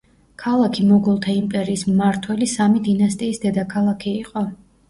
ქალაქი მოგოლთა იმპერიის მმართველი სამი დინასტიის დედაქალაქი იყო.